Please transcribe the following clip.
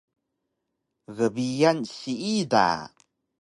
Gbiyan siida